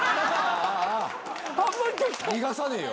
逃がさねえよ。